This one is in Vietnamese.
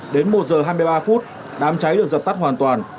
đến một giờ hai mươi ba phút đám cháy được dập tắt hoàn toàn